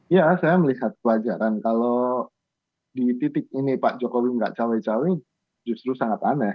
ya saya melihat kewajaran kalau di titik ini pak jokowi nggak cawe cawe justru sangat aneh